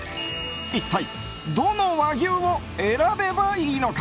一体どの和牛を選べばいいのか。